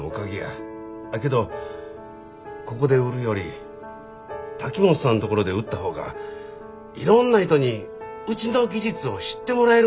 けどここで売るより瀧本さんのところで売った方がいろんな人にうちの技術を知ってもらえるんちゃうかって。